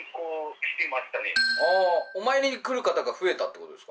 ああーお参りに来る方が増えたってことですか？